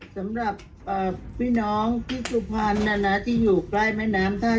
สำหรับอ่าพี่น้องพี่สุภัณฑ์น่ะน่ะที่อยู่ใกล้แม่น้ำท่า